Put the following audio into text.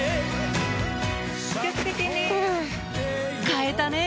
買えたね！